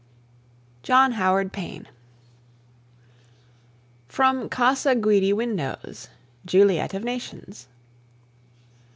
JOHN HOWARD PAYNE. FROM CASA GUIDI WINDOWS. JULIET OF NATIONS.